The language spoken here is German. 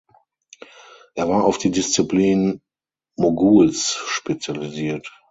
Er war auf die Disziplin Moguls spezialisiert.